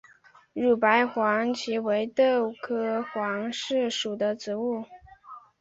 乳白黄耆为豆科黄芪属的植物。